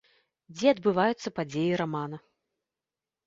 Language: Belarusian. Дзе адбываюцца падзеі рамана.